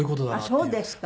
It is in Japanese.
あっそうですか。